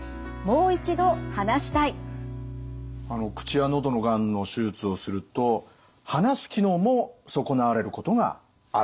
口や喉のがんの手術をすると話す機能も損なわれることがあると。